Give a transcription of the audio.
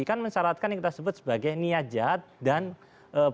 kan mencaratkan yang kita sebut sebagai niajat dan perusahaan